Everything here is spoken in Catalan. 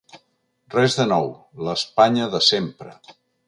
Res de nou, l’Espanya de sempre.